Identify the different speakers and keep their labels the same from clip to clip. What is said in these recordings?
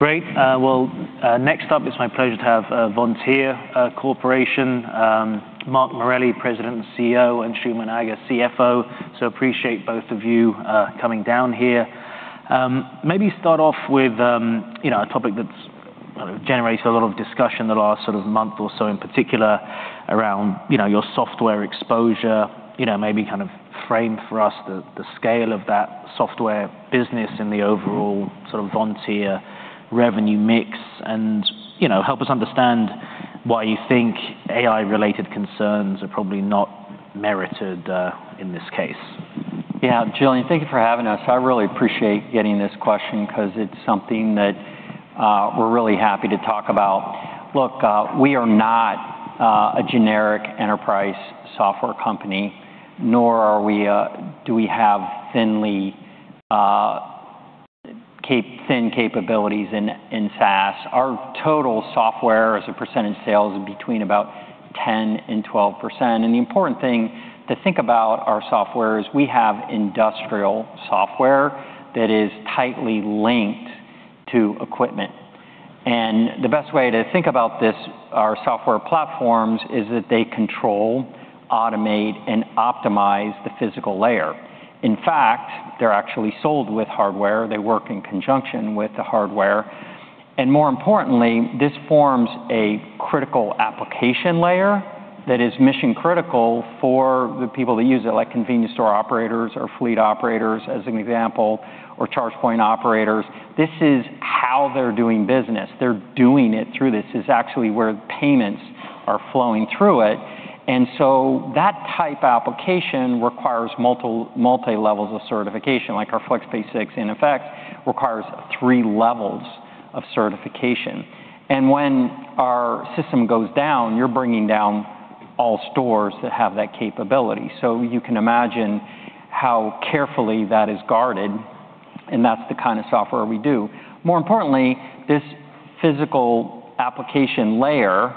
Speaker 1: Great. Well, next up, it's my pleasure to have Vontier Corporation, Mark Morelli, President and CEO, and Anshooman Aga, CFO. So appreciate both of you coming down here. Maybe start off with, you know, a topic that's generated a lot of discussion in the last sort of month or so, in particular, around, you know, your software exposure. You know, maybe kind of frame for us the scale of that software business in the overall sort of Vontier revenue mix, and, you know, help us understand why you think AI-related concerns are probably not merited in this case.
Speaker 2: Yeah, Julian, thank you for having us. I really appreciate getting this question 'cause it's something that, we're really happy to talk about. Look, we are not a generic enterprise software company, nor are we do we have thin capabilities in SaaS. Our total software as a percent in sales is between about 10% and 12%. The important thing to think about our software is we have industrial software that is tightly linked to equipment. The best way to think about this, our software platforms, is that they control, automate, and optimize the physical layer. In fact, they're actually sold with hardware. They work in conjunction with the hardware. More importantly, this forms a critical application layer that is mission-critical for the people that use it, like convenience store operators or fleet operators, as an example, or charge point operators. This is how they're doing business. They're doing it through this. It's actually where payments are flowing through it. And so that type of application requires multi-levels of certification, like our FlexPay 6 iNFX requires three levels of certification. And when our system goes down, you're bringing down all stores that have that capability. So you can imagine how carefully that is guarded, and that's the kind of software we do. More importantly, this physical application layer,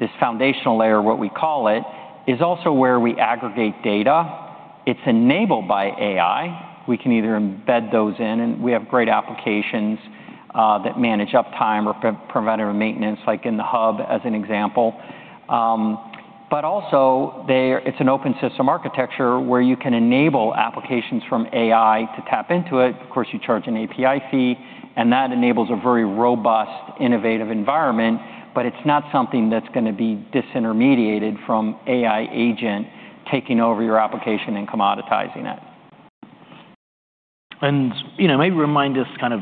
Speaker 2: this foundational layer, what we call it, is also where we aggregate data. It's enabled by AI. We can either embed those in, and we have great applications that manage uptime or preventive maintenance, like in the Hub, as an example. But also, it's an open system architecture where you can enable applications from AI to tap into it. Of course, you charge an API fee, and that enables a very robust, innovative environment, but it's not something that's gonna be disintermediated from AI agent taking over your application and commoditizing it.
Speaker 1: You know, maybe remind us kind of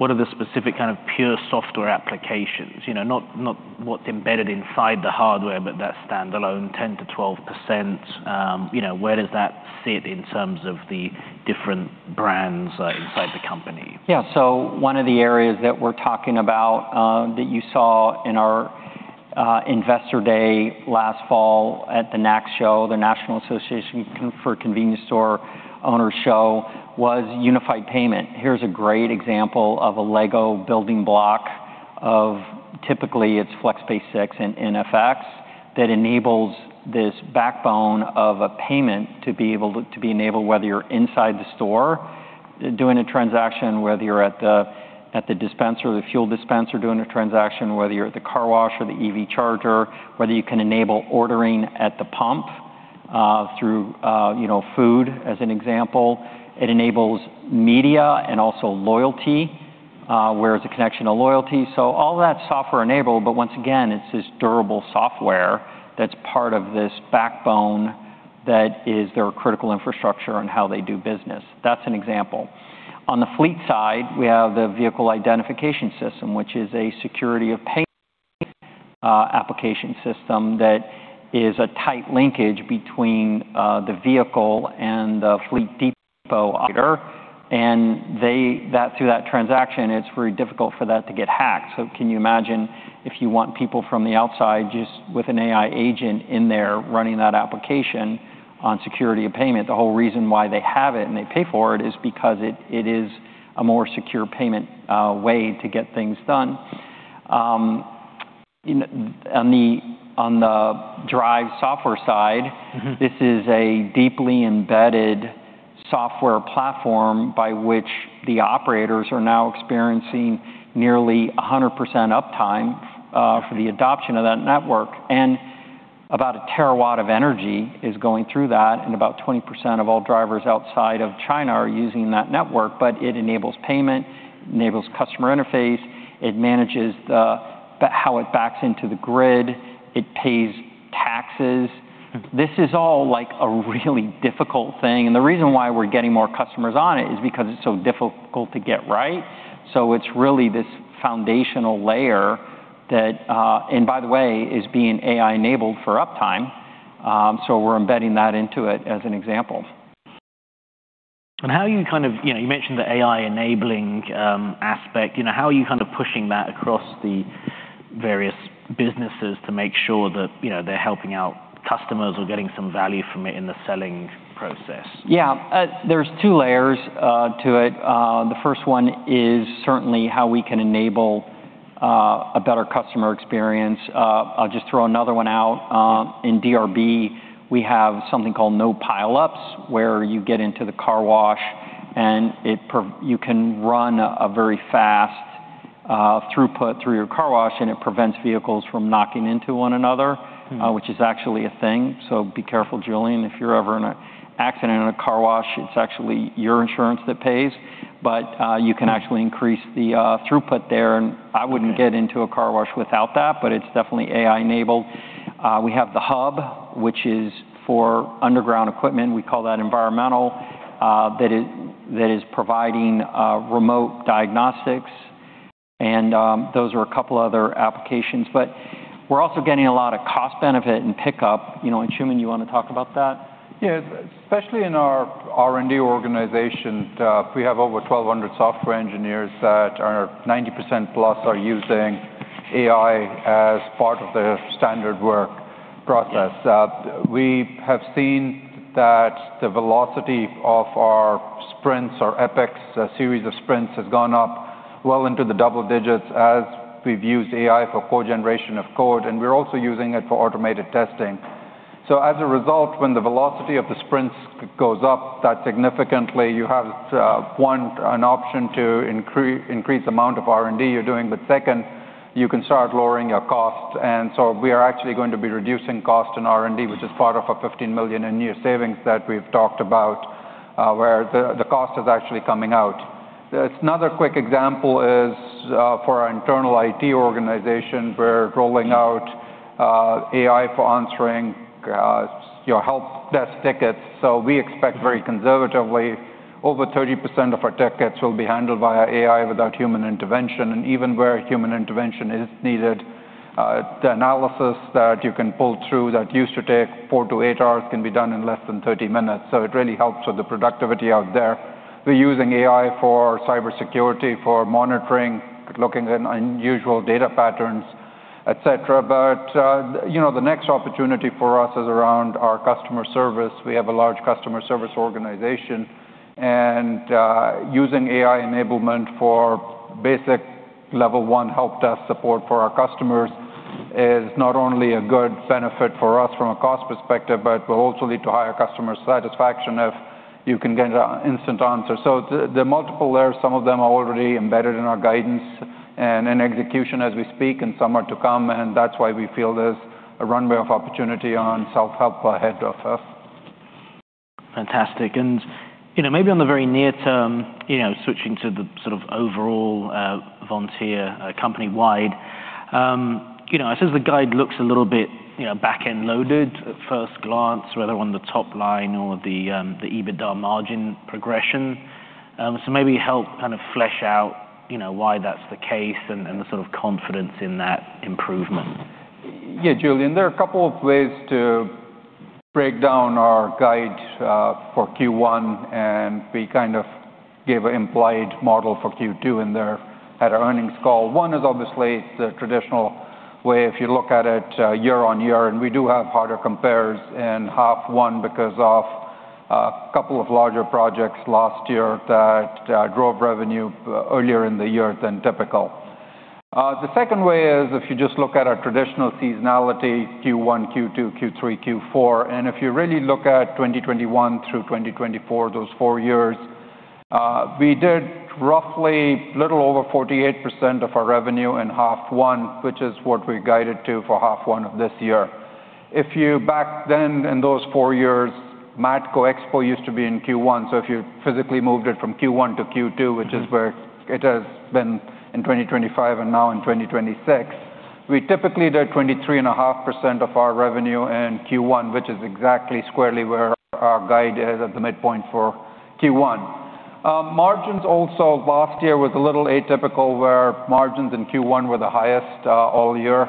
Speaker 1: what are the specific kind of pure software applications? You know, not, not what's embedded inside the hardware, but that standalone 10%-12%. You know, where does that sit in terms of the different brands, inside the company?
Speaker 2: Yeah. So one of the areas that we're talking about, that you saw in our investor day last fall at the NACS show, the National Association of Convenience Stores show, was unified payment. Here's a great example of a Lego building block of typically, it's FlexPay 6 and NFX, that enables this backbone of a payment to be enabled, whether you're inside the store doing a transaction, whether you're at the dispenser or the fuel dispenser doing a transaction, whether you're at the car wash or the EV charger, whether you can enable ordering at the pump, through you know, food, as an example. It enables media and also loyalty, where it's a connection to loyalty. All that software enabled, but once again, it's this durable software that's part of this backbone that is their critical infrastructure on how they do business. That's an example. On the fleet side, we have the vehicle identification system, which is a security of payment, application system that is a tight linkage between the vehicle and the fleet depot operator. They-- that, through that transaction, it's very difficult for that to get hacked. Can you imagine if you want people from the outside, just with an AI agent in there, running that application on security of payment? The whole reason why they have it and they pay for it is because it is a more secure payment, way to get things done. You know, on the, on the Driivz software side-
Speaker 1: Mm-hmm.
Speaker 2: This is a deeply embedded software platform by which the operators are now experiencing nearly 100% uptime for the adoption of that network. And about 1 TW of energy is going through that, and about 20% of all drivers outside of China are using that network. But it enables payment, enables customer interface, it manages the how it backs into the grid, it pays taxes.
Speaker 1: Mm-hmm.
Speaker 2: This is all, like, a really difficult thing, and the reason why we're getting more customers on it is because it's so difficult to get right. So it's really this foundational layer that, and by the way, is being AI-enabled for uptime, so we're embedding that into it as an example.
Speaker 1: How are you kind of-- you know, you mentioned the AI-enabling aspect. You know, how are you kind of pushing that across the various businesses to make sure that, you know, they're helping out customers or getting some value from it in the selling process?
Speaker 2: Yeah. There's two layers to it. The first one is certainly how we can enable a better customer experience. I'll just throw another one out. In DRB, we have something called NoPileups, where you get into the car wash, and you can run a very fast throughput through your car wash, and it prevents vehicles from knocking into one another, which is actually a thing. So be careful, Julian, if you're ever in a accident in a car wash, it's actually your insurance that pays. But you can actually increase the throughput there, and I wouldn't get into a car wash without that, but it's definitely AI-enabled. We have the Hub, which is for underground equipment; we call that environmental. That is providing remote diagnostics, and those are a couple other applications. But we're also getting a lot of cost benefit and pickup. You know, and Anshooman, you wanna talk about that?
Speaker 3: Yeah. Especially in our R&D organization, we have over 1,200 software engineers that are 90%+ are using AI as part of their standard work process.
Speaker 2: Yes.
Speaker 3: We have seen that the velocity of our sprints or epics, a series of sprints, has gone up well into the double digits as we've used AI for code generation of code, and we're also using it for automated testing. So as a result, when the velocity of the sprints goes up that significantly, you have one, an option to increase the amount of R&D you're doing, but second, you can start lowering your cost. And so we are actually going to be reducing cost in R&D, which is part of our $15 million in-year savings that we've talked about, where the cost is actually coming out. Another quick example is for our internal IT organization. We're rolling out AI for answering your help desk tickets. So we expect, very conservatively, over 30% of our tickets will be handled via AI without human intervention, and even where human intervention is needed, the analysis that you can pull through that used to take 4 hours-8 hours can be done in less than 30 minutes. So it really helps with the productivity out there. We're using AI for cybersecurity, for monitoring, looking at unusual data patterns, et cetera. But, you know, the next opportunity for us is around our customer service. We have a large customer service organization, and, using AI enablement for basic level one help desk support for our customers is not only a good benefit for us from a cost perspective, but will also lead to higher customer satisfaction if you can get an, instant answer. So the, there are multiple layers. Some of them are already embedded in our guidance and in execution as we speak, and some are to come, and that's why we feel there's a runway of opportunity on self-help ahead of us.
Speaker 1: Fantastic. You know, maybe on the very near term, you know, switching to the sort of overall Vontier, company-wide, you know, it says the guidance looks a little bit, you know, back-end loaded at first glance, whether on the top line or the EBITDA margin progression. So maybe help kind of flesh out, you know, why that's the case and, and the sort of confidence in that improvement.
Speaker 3: Yeah, Julian, there are a couple of ways to break down our guide for Q1, and we kind of gave an implied model for Q2 in there at our earnings call. One is obviously the traditional way, if you look at it year-on-year, and we do have harder compares in half one because of a couple of larger projects last year that drove revenue earlier in the year than typical. The second way is, if you just look at our traditional seasonality, Q1, Q2, Q3, Q4, and if you really look at 2021 through 2024, those four years, we did roughly a little over 48% of our revenue in half one, which is what we guided to for half one of this year. If you... Back then, in those four years, Matco Expo used to be in Q1, so if you physically moved it from Q1 to Q2, which is where it has been in 2025 and now in 2026, we typically do 23.5% of our revenue in Q1, which is exactly squarely where our guide is at the midpoint for Q1. Margins also, last year was a little atypical, where margins in Q1 were the highest all year.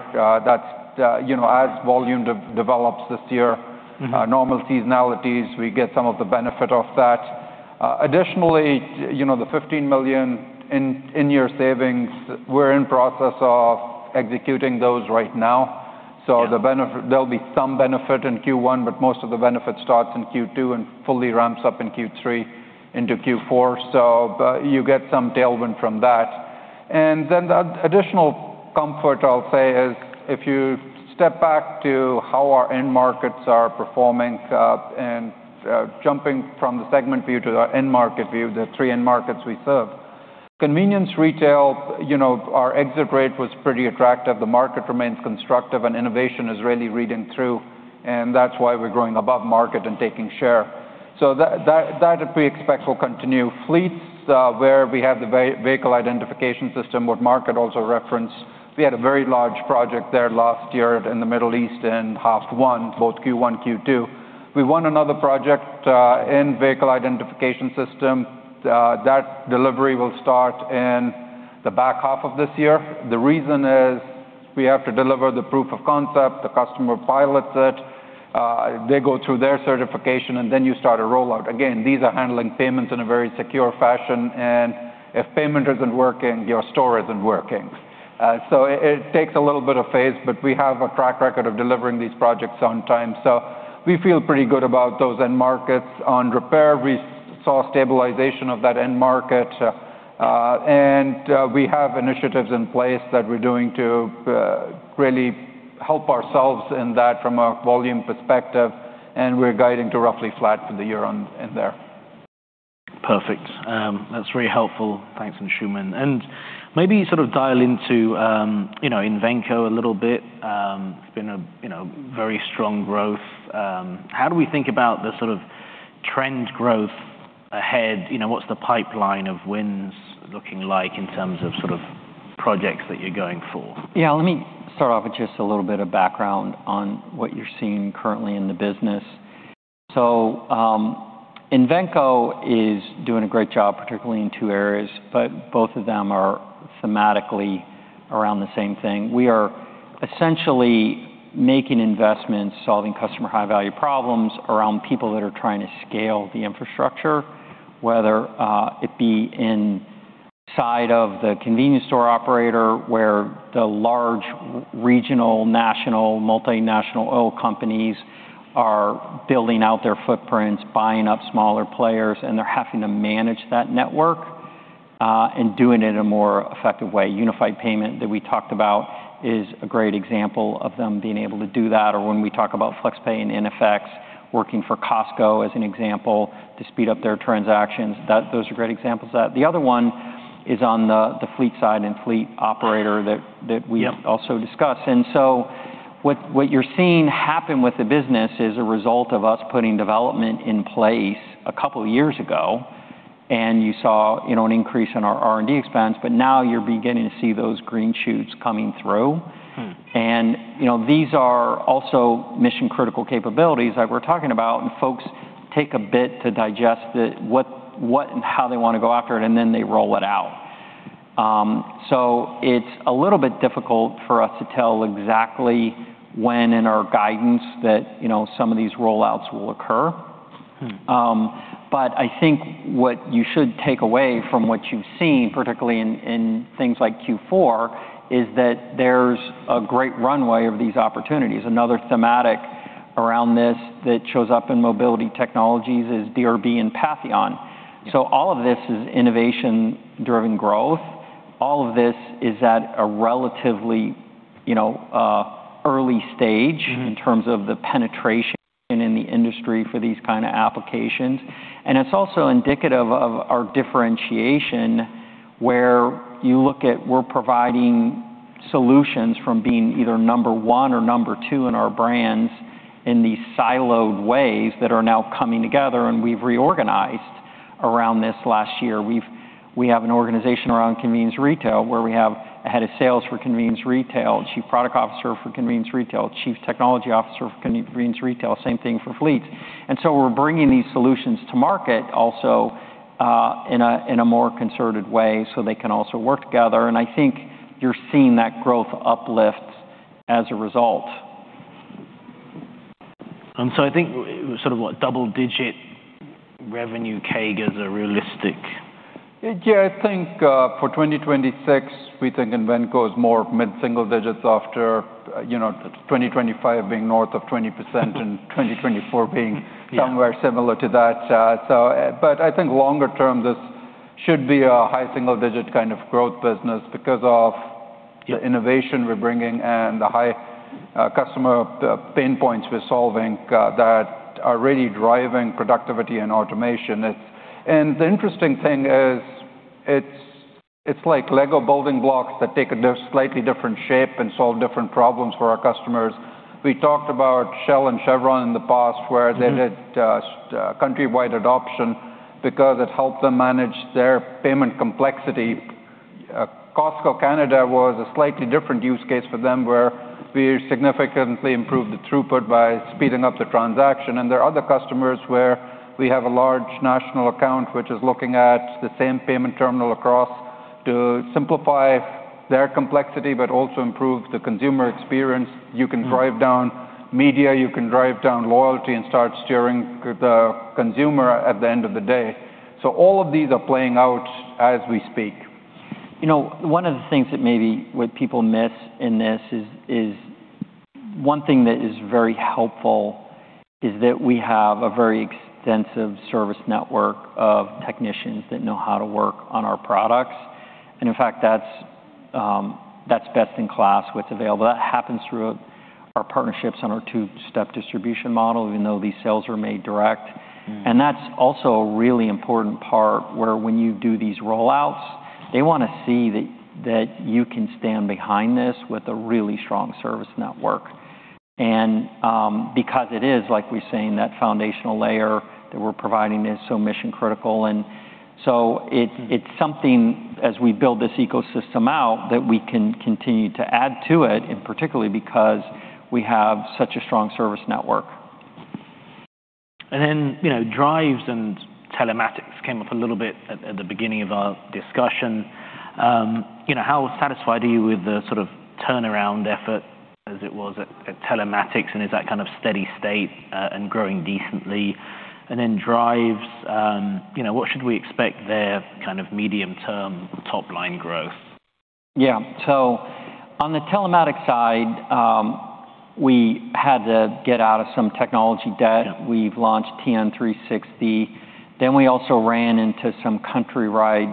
Speaker 3: You know, as volume develops this year-
Speaker 2: Mm-hmm...
Speaker 3: normal seasonalities, we get some of the benefit of that. Additionally, you know, the $15 million in-year savings, we're in process of executing those right now.
Speaker 2: Yeah.
Speaker 3: So the benefit, there'll be some benefit in Q1, but most of the benefit starts in Q2 and fully ramps up in Q3 into Q4. So, you get some tailwind from that. And then the additional comfort, I'll say, is if you step back to how our end markets are performing, and jumping from the segment view to the end market view, the three end markets we serve, convenience retail, you know, our exit rate was pretty attractive. The market remains constructive, and innovation is really reading through, and that's why we're growing above market and taking share. So that, that, that we expect will continue. Fleets, where we have the vehicle identification system, what Mark had also referenced, we had a very large project there last year in the Middle East in half one, both Q1, Q2. We won another project in vehicle identification system. That delivery will start in the back half of this year. The reason is, we have to deliver the proof of concept, the customer pilots it, they go through their certification, and then you start a rollout. Again, these are handling payments in a very secure fashion, and if payment isn't working, your store isn't working. So it takes a little bit of phase, but we have a track record of delivering these projects on time, so we feel pretty good about those end markets. On repair, we saw stabilization of that end market, and we have initiatives in place that we're doing to really help ourselves in that from a volume perspective, and we're guiding to roughly flat for the year on in there.
Speaker 1: Perfect. That's very helpful. Thanks, and Ansh. And maybe sort of dial into, you know, in Invenco a little bit. It's been a, you know, very strong growth. How do we think about the sort of trend growth ahead? You know, what's the pipeline of wins looking like in terms of sort of projects that you're going for?
Speaker 2: Yeah, let me start off with just a little bit of background on what you're seeing currently in the business. So, Vontier is doing a great job, particularly in two areas, but both of them are thematically around the same thing. We are essentially making investments, solving customer high-value problems around people that are trying to scale the infrastructure, whether it be inside of the convenience store operator, where the large regional, national, multinational oil companies are building out their footprints, buying up smaller players, and they're having to manage that network and doing it in a more effective way. Unified payment that we talked about is a great example of them being able to do that, or when we talk about FlexPay and NFX working for Costco as an example, to speed up their transactions. That those are great examples of that. The other one is on the fleet side and fleet operator that we also discussed.
Speaker 1: Yeah.
Speaker 2: And so what you're seeing happen with the business is a result of us putting development in place a couple of years ago, and you saw, you know, an increase in our R&D expense, but now you're beginning to see those green shoots coming through.
Speaker 1: Mm.
Speaker 2: You know, these are also mission-critical capabilities that we're talking about, and folks take a bit to digest it, what and how they want to go after it, and then they roll it out. So it's a little bit difficult for us to tell exactly when in our guidance that, you know, some of these rollouts will occur.
Speaker 1: Mm.
Speaker 2: But I think what you should take away from what you've seen, particularly in things like Q4, is that there's a great runway of these opportunities. Another thematic around this that shows up in Mobility Technologies is DRB and Patheon. So all of this is innovation-driven growth. All of this is at a relatively, you know, early stage-
Speaker 1: Mm-hmm...
Speaker 2: in terms of the penetration in the industry for these kind of applications. And it's also indicative of our differentiation, where you look at we're providing solutions from being either number one or number two in our brands in these siloed ways that are now coming together, and we've reorganized around this last year. We have an organization around convenience retail, where we have a head of sales for convenience retail, chief product officer for convenience retail, chief technology officer for convenience retail. Same thing for fleets. And so we're bringing these solutions to market also in a more concerted way so they can also work together, and I think you're seeing that growth uplift as a result.
Speaker 1: And so I think sort of what, double-digit revenue CAGR is realistic?
Speaker 3: Yeah, I think, for 2026, we think Invenco is more mid-single digits after, you know, 2025 being north of 20% and 2024 being-
Speaker 1: Yeah
Speaker 3: somewhere similar to that. So, but I think longer term, this should be a high single-digit kind of growth business because of-
Speaker 1: Yeah
Speaker 3: the innovation we're bringing and the high customer pain points we're solving that are really driving productivity and automation. It's. And the interesting thing is, it's like Lego building blocks that take a slightly different shape and solve different problems for our customers. We talked about Shell and Chevron in the past.
Speaker 1: Mm-hmm
Speaker 3: where they did countrywide adoption because it helped them manage their payment complexity. Costco Canada was a slightly different use case for them, where we significantly improved the throughput by speeding up the transaction. And there are other customers where we have a large national account, which is looking at the same payment terminal across to simplify their complexity but also improve the consumer experience.
Speaker 1: Mm.
Speaker 3: You can drive down media, you can drive down loyalty, and start steering the consumer at the end of the day. All of these are playing out as we speak.
Speaker 2: You know, one of the things that maybe what people miss in this is one thing that is very helpful is that we have a very extensive service network of technicians that know how to work on our products. And in fact, that's best in class, what's available. That happens through our partnerships and our two-step distribution model, even though these sales are made direct.
Speaker 1: Mm.
Speaker 2: And that's also a really important part, where when you do these rollouts, they wanna see that, that you can stand behind this with a really strong service network. And, because it is, like we're saying, that foundational layer that we're providing is so mission-critical. And so it—
Speaker 1: Mm...
Speaker 2: it's something, as we build this ecosystem out, that we can continue to add to it, and particularly because we have such a strong service network.
Speaker 1: And then, you know, Driivz and telematics came up a little bit at the beginning of our discussion. You know, how satisfied are you with the sort of turnaround effort, as it was at Telematics, and is that kind of steady state, and growing decently? And then Driivz, you know, what should we expect there, kind of medium-term top-line growth?
Speaker 2: Yeah. So on the telematics side, we had to get out of some technology debt. We've launched TN360. Then we also ran into some countrywide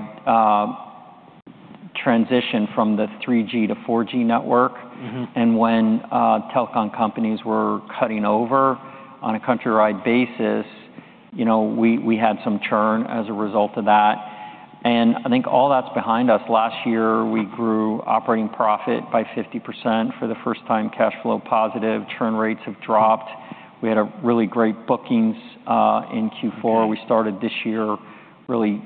Speaker 2: transition from the 3G to 4G network.
Speaker 1: Mm-hmm.
Speaker 2: When telecom companies were cutting over on a countrywide basis, you know, we, we had some churn as a result of that, and I think all that's behind us. Last year, we grew operating profit by 50%. For the first time, cash flow positive, churn rates have dropped. We had a really great bookings in Q4.
Speaker 1: Yeah.
Speaker 2: We started this year really,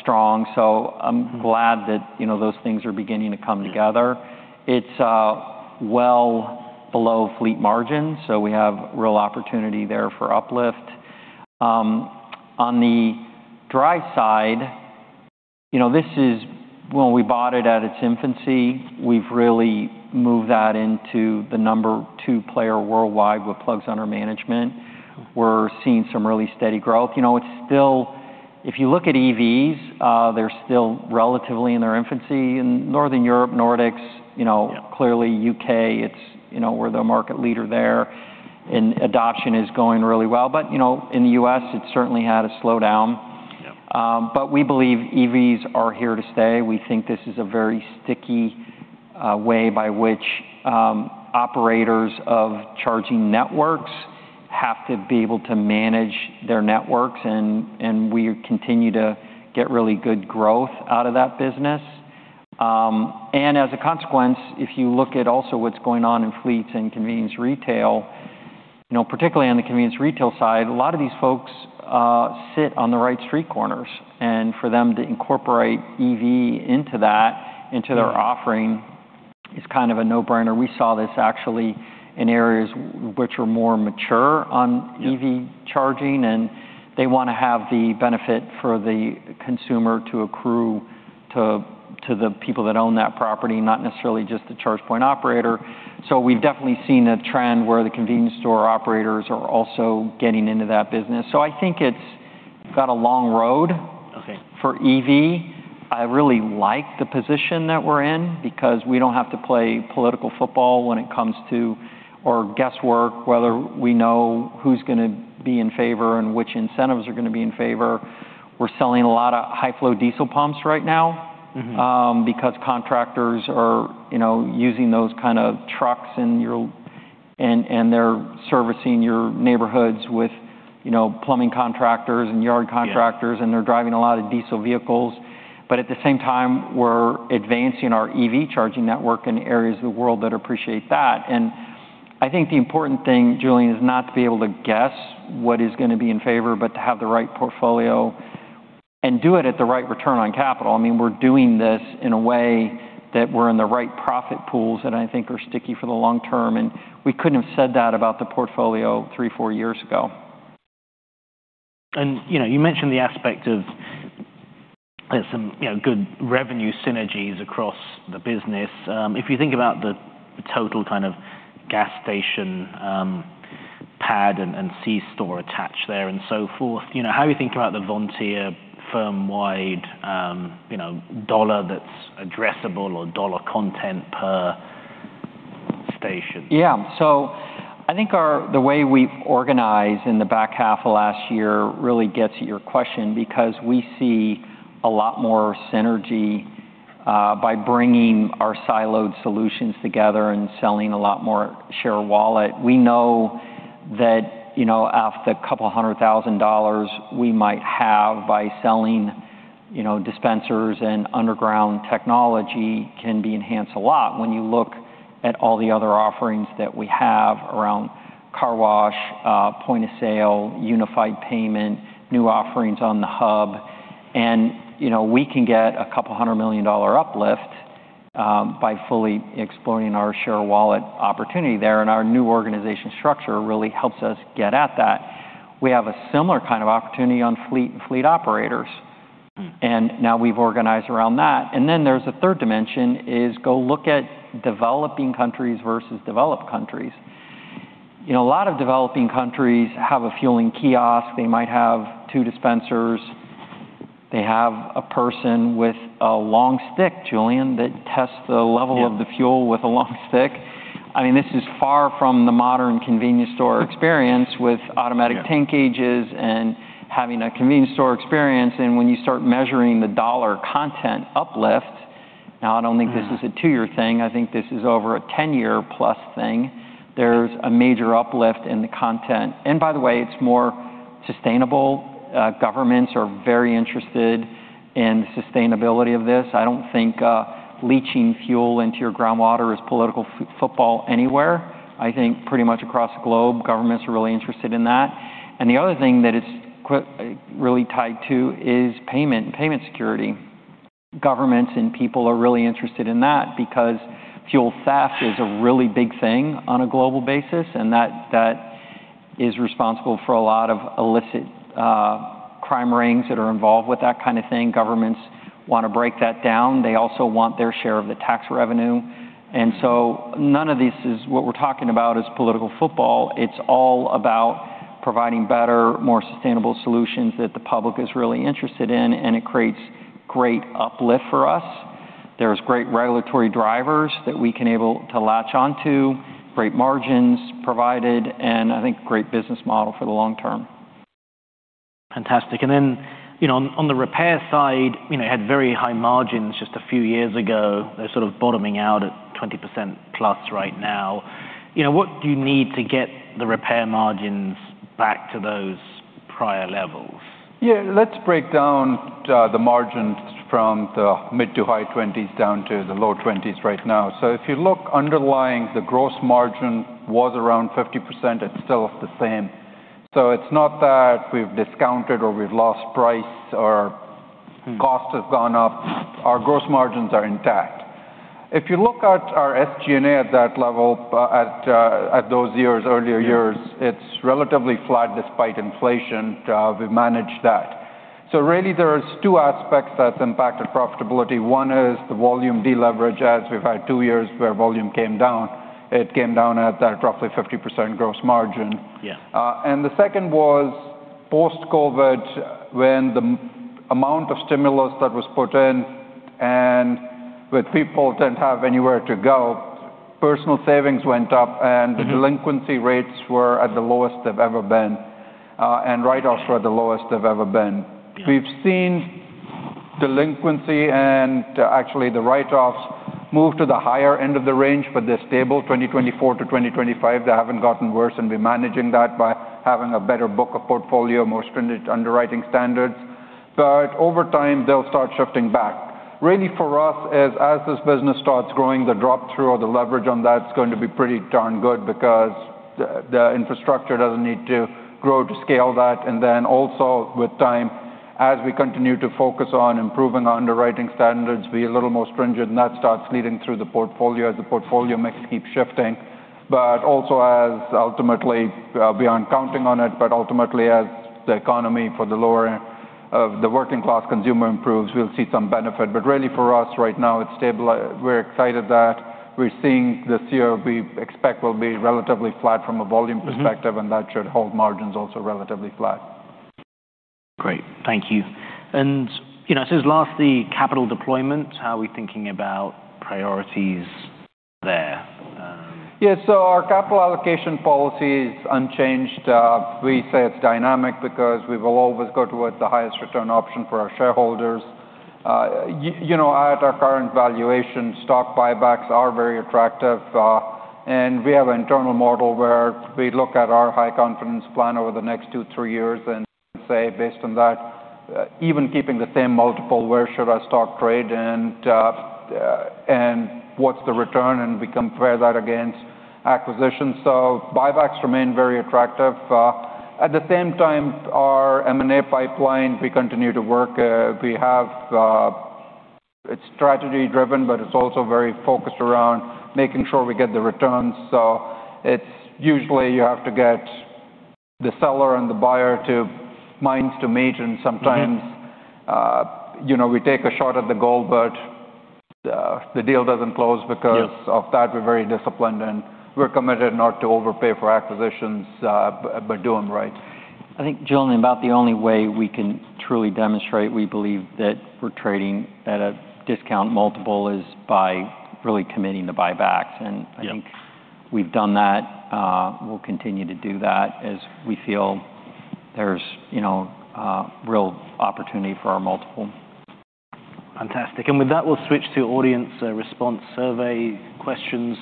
Speaker 2: strong. So I'm glad-
Speaker 1: Mm-hmm.
Speaker 2: that, you know, those things are beginning to come together.
Speaker 1: Yeah.
Speaker 2: It's well below fleet margin, so we have real opportunity there for uplift. On the Driivz side, you know, this is when we bought it at its infancy, we've really moved that into the number two player worldwide, with plugs under management.
Speaker 1: Mm-hmm.
Speaker 2: We're seeing some really steady growth. You know, it's still. If you look at EVs, they're still relatively in their infancy. In Northern Europe, Nordics, you know-
Speaker 1: Yeah...
Speaker 2: clearly U.K., it's, you know, we're the market leader there, and adoption is going really well. But, you know, in the U.S., it certainly had a slowdown.
Speaker 1: Yeah.
Speaker 2: But we believe EVs are here to stay. We think this is a very sticky way by which operators of charging networks have to be able to manage their networks, and, and we continue to get really good growth out of that business. And as a consequence, if you look at also what's going on in fleets and convenience retail, you know, particularly on the convenience retail side, a lot of these folks sit on the right street corners, and for them to incorporate EV into that, into their offering-
Speaker 1: Mm...
Speaker 2: is kind of a no-brainer. We saw this actually in areas which were more mature on-
Speaker 1: Yeah
Speaker 2: EV charging, and they wanna have the benefit for the consumer to accrue to, to the people that own that property, not necessarily just the charge point operator. So we've definitely seen a trend where the convenience store operators are also getting into that business. So I think it's got a long road-
Speaker 1: Okay...
Speaker 2: for EV. I really like the position that we're in because we don't have to play political football when it comes to... or guesswork, whether we know who's gonna be in favor and which incentives are gonna be in favor. We're selling a lot of high-flow diesel pumps right now-
Speaker 1: Mm-hmm...
Speaker 2: because contractors are, you know, using those kind of trucks, and they're servicing your neighborhoods with, you know, plumbing contractors and yard contractors-
Speaker 1: Yeah...
Speaker 2: and they're driving a lot of diesel vehicles. But at the same time, we're advancing our EV charging network in areas of the world that appreciate that. And I think the important thing, Julian, is not to be able to guess what is gonna be in favor, but to have the right portfolio and do it at the right return on capital. I mean, we're doing this in a way that we're in the right profit pools, that I think are sticky for the long term, and we couldn't have said that about the portfolio 3 years, 4 years ago.
Speaker 1: You know, you mentioned the aspect of some, you know, good revenue synergies across the business. If you think about the total kind of gas station pad and C-store attached there and so forth, you know, how are you thinking about the Vontier firm-wide, you know, dollar that's addressable or dollar content per station?
Speaker 2: Yeah. I think the way we've organized in the back half of last year really gets at your question, because we see a lot more synergy by bringing our siloed solutions together and selling a lot more share of wallet. We know that, you know, after a couple hundred thousand dollars, we might have by selling, you know, dispensers and underground technology can be enhanced a lot when you look at all the other offerings that we have around car wash, point of sale, unified payment, new offerings on the Hub. You know, we can get a couple hundred million dollar uplift by fully exploring our share of wallet opportunity there, and our new organization structure really helps us get at that. We have a similar kind of opportunity on fleet and fleet operators.
Speaker 1: Mm.
Speaker 2: Now we've organized around that. Then there's a third dimension, is go look at developing countries versus developed countries. You know, a lot of developing countries have a fueling kiosk. They might have two dispensers. They have a person with a long stick, Julian, that tests the level-
Speaker 1: Yeah...
Speaker 2: of the fuel with a long stick. I mean, this is far from the modern convenience store experience with automatic-
Speaker 1: Yeah...
Speaker 2: tank gauges and having a convenience store experience. And when you start measuring the dollar content uplift, now I don't think-
Speaker 1: Mm-hmm...
Speaker 2: this is a two-year thing. I think this is over a 10-year+ thing. There's a major uplift in the content. And by the way, it's more sustainable. Governments are very interested in sustainability of this. I don't think leaching fuel into your groundwater is political football anywhere. I think pretty much across the globe, governments are really interested in that. And the other thing that it's really tied to is payment, payment security. Governments and people are really interested in that because fuel theft is a really big thing on a global basis, and that is responsible for a lot of illicit crime rings that are involved with that kind of thing. Governments want to break that down. They also want their share of the tax revenue.
Speaker 1: Mm.
Speaker 2: And so none of this is... What we're talking about is political football. It's all about providing better, more sustainable solutions that the public is really interested in, and it creates great uplift for us. There's great regulatory drivers that we can able to latch onto, great margins provided, and I think great business model for the long term. ...
Speaker 1: Fantastic. Then, you know, on the repair side, you know, had very high margins just a few years ago. They're sort of bottoming out at 20%+ right now. You know, what do you need to get the repair margins back to those prior levels?
Speaker 3: Yeah, let's break down the margins from the mid- to high 20s down to the low 20s right now. So if you look underlying, the gross margin was around 50%. It's still the same. So it's not that we've discounted or we've lost price or-
Speaker 1: Mm-hmm.
Speaker 3: -cost has gone up. Our gross margins are intact. If you look at our SG&A at that level, at, at those years, earlier years-
Speaker 1: Yeah
Speaker 3: -It's relatively flat despite inflation. We've managed that. So really there's two aspects that's impacted profitability. One is the volume deleverage, as we've had two years where volume came down. It came down at that roughly 50% gross margin.
Speaker 1: Yeah.
Speaker 3: The second was post-COVID, when the amount of stimulus that was put in and with people didn't have anywhere to go, personal savings went up-
Speaker 1: Mm-hmm
Speaker 3: And the delinquency rates were at the lowest they've ever been, and write-offs were the lowest they've ever been.
Speaker 1: Yeah.
Speaker 3: We've seen delinquency and actually the write-offs move to the higher end of the range, but they're stable. 2024 to 2025, they haven't gotten worse, and we're managing that by having a better book of portfolio, more stringent underwriting standards. But over time, they'll start shifting back. Really, for us, as, as this business starts growing, the drop-through or the leverage on that's going to be pretty darn good because the, the infrastructure doesn't need to grow to scale that. And then also with time, as we continue to focus on improving our underwriting standards, be a little more stringent, and that starts leading through the portfolio as the portfolio mix keeps shifting. But also as ultimately, we aren't counting on it, but ultimately, as the economy for the lower of the working-class consumer improves, we'll see some benefit. But really for us right now, it's stable. We're excited that we're seeing this year we expect will be relatively flat from a volume perspective-
Speaker 1: Mm-hmm
Speaker 3: And that should hold margins also relatively flat.
Speaker 1: Great. Thank you. You know, since last, the capital deployment, how are we thinking about priorities there?
Speaker 3: Yeah, so our capital allocation policy is unchanged. We say it's dynamic because we will always go towards the highest return option for our shareholders. You know, at our current valuation, stock buybacks are very attractive, and we have an internal model where we look at our high confidence plan over the next two, three years and say, based on that, even keeping the same multiple, where should our stock trade, and what's the return? And we compare that against acquisitions. So buybacks remain very attractive. At the same time, our M&A pipeline, we continue to work. We have... It's strategy-driven, but it's also very focused around making sure we get the returns. So it's usually you have to get the seller and the buyer to minds to meet, and sometimes-
Speaker 1: Mm-hmm...
Speaker 3: you know, we take a shot at the goal, but, the deal doesn't close because-
Speaker 1: Yeah
Speaker 3: -of that. We're very disciplined, and we're committed not to overpay for acquisitions, but do them right.
Speaker 2: I think, Julian, about the only way we can truly demonstrate we believe that we're trading at a discount multiple is by really committing the buybacks.
Speaker 1: Yeah.
Speaker 2: I think we've done that. We'll continue to do that as we feel there's, you know, real opportunity for our multiple.
Speaker 1: Fantastic. With that, we'll switch to audience response survey questions.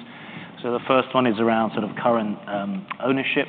Speaker 1: The first one is around sort of current ownership.